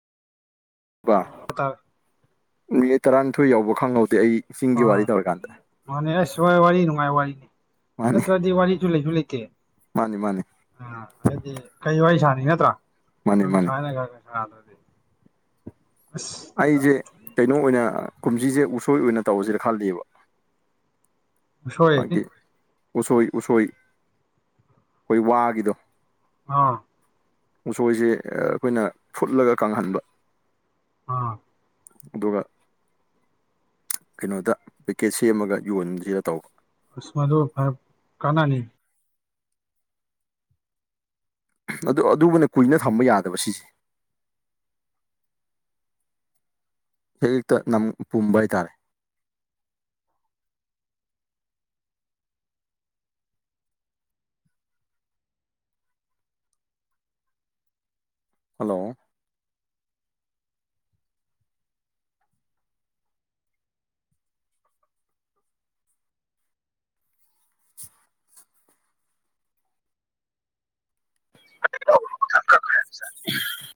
ꯍꯥꯏꯇꯥꯔꯦ ꯃꯨꯅꯤꯠ ꯇꯔꯥꯅꯤꯊꯣꯏ ꯌꯥꯎꯕ ꯈꯪꯍꯧꯗꯦ ꯑꯩ ꯑ ꯆꯤꯡꯒꯤ ꯋꯥꯔꯤ ꯇꯧꯔꯀꯥꯟꯗ ꯃꯥꯅꯦ ꯑꯁ ꯋꯥꯔꯤ ꯅꯨꯡꯉꯥꯏ ꯋꯥꯔꯤꯅꯤ ꯃꯥꯅꯤ ꯅꯠꯇ꯭ꯔꯗꯤ ꯋꯥꯔꯤꯁꯨ ꯂꯩꯁꯨ ꯂꯩꯇꯦ ꯃꯥꯅꯤ ꯃꯥꯅꯤ ꯑ ꯍꯥꯏꯗꯤ ꯀꯩ ꯋꯥꯔꯤ ꯁꯥꯅꯤ ꯅꯠꯇ꯭ꯔꯣ ꯃꯥꯅꯤ ꯑꯗꯨꯝ ꯃꯥꯅꯤ ꯁꯅ ꯗꯔꯗꯤ ꯑꯁ ꯑꯩꯁꯦ ꯀꯩꯅꯣ ꯑꯣꯏꯅ ꯀꯨꯝꯖꯤꯁꯦ ꯎꯁꯣꯏ ꯑꯣꯏꯅ ꯇꯧꯁꯤꯔ ꯈꯜꯂꯦꯕ ꯁꯣꯏꯔꯅꯤ ꯍꯥꯢꯗꯤ ꯎꯁꯣꯏ ꯎꯁꯣꯏ ꯑꯩꯈꯣꯏ ꯋꯥꯒꯤꯗꯣ ꯑ ꯎꯁꯣꯏꯁꯦ ꯑꯩꯈꯣꯏꯅ ꯐꯨꯠꯂꯒ ꯀꯪꯍꯟꯕ ꯑꯝ ꯑꯗꯨꯒ ꯀꯩꯅꯣꯗ ꯄꯦꯛꯀꯦꯠ ꯁꯦꯝꯃꯒ ꯌꯣꯟꯁꯤꯔ ꯇꯧꯕ ꯎꯝ ꯃꯗꯨ ꯈꯔ ꯀꯅꯥꯅꯤ ꯑꯗꯨ ꯑꯗꯨꯕꯨꯅ ꯀꯨꯏꯅ ꯊꯝꯕ ꯌꯥꯗꯕ ꯁꯤꯁꯦ ꯍꯦꯛ ꯍꯦꯛꯇ ꯅꯝ ꯄꯨꯝꯕ ꯍꯥꯏꯇꯥꯔꯦ ꯍꯜꯂꯣ [unintelligible]